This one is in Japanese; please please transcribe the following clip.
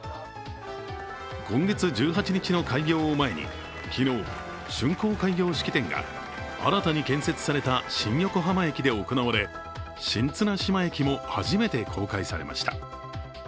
今月１８日の開業を前に昨日、竣工開業式典が新たに建設された新横浜駅で行われ新綱島駅も初めて公開されました。